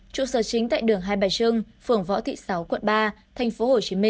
trụ sở chính tại đường hai bà trưng phường võ thị sáu quận ba tp hcm